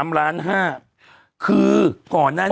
เบลล่าเบลล่า